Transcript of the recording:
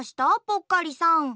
ぽっかりさん。